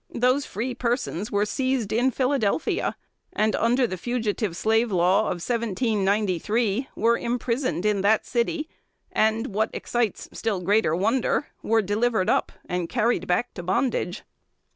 Those free persons were seized in Philadelphia, and, under the fugitive slave law of 1793, were imprisoned in that city; and, what excites still greater wonder, were delivered up and carried back to bondage.